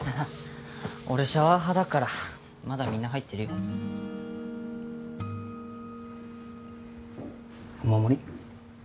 俺シャワー派だからまだみんな入ってるよお守り？